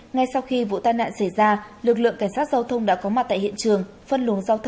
ngay sau khi vụ tai nạn xảy ra lực lượng cảnh sát giao thông đã có mặt tại hiện trường